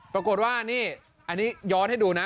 ปรากฏว่านี่อันนี้ย้อนให้ดูนะ